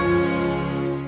tidak tidak tidak